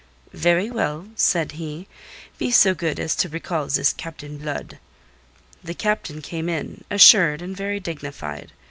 "Very well," he said. "Be so good as to recall this Captain Blood." The Captain came in, assured and very dignified.